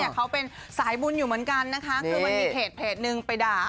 เขาเป็นสายบุญอยู่เหมือนกันคือมีเพจ๑ไปด่า